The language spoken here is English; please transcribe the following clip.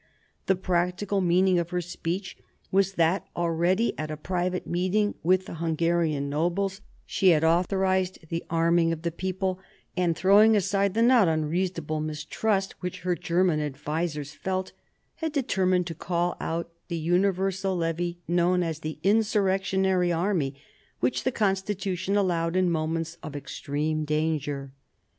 The practical meaning of her speech was that already at a, private meeting with the Hungarian nobles she had authorised the arming of the people, and throwing aside the not unreasonable mistrust which her German advisers felt, had determined to call out the universal levy known as the "insurrectionary army," which the constitution allowed in moments of extreme danger.